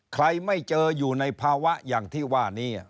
ไม่เจออยู่ในภาวะอย่างที่ว่านี้